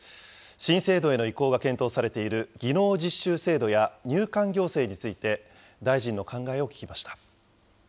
新制度への移行が検討されている技能実習制度や入管行政について、大臣の考えを聞きました。